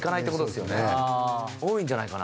多いんじゃないかな。